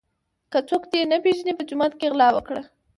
که څوک دي نه پیژني په جومات کي غلا وکړه.